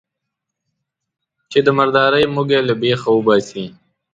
چې د مردارۍ موږی له بېخه وباسي.